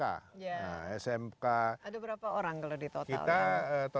ada berapa orang kalau di total